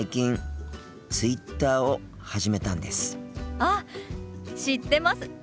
あっ知ってます。